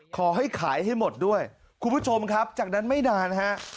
ขอให้ขายให้หมดด้วยคุณผู้ชมครับจากนั้นไม่นานฮะ